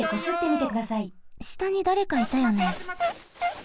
したにだれかいたよね。